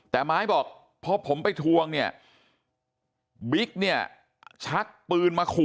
แต่ไม้บอกพอผมไปทวงเนี่ยบิ๊กเนี่ยชักปืนมาขู่